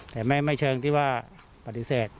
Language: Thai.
แต่ไม่เชิงที่ว่าปฏิเสธ